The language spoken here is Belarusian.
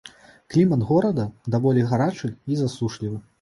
Клімат горада даволі гарачы і засушлівы.